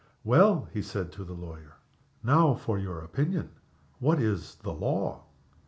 "Well," he said to the lawyer, "now for your opinion! What is the law?"